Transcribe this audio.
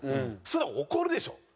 そりゃ怒るでしょ。